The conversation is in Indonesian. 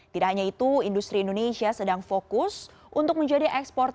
tidak hanya itu industri indonesia sedang fokus untuk menjadi ekspor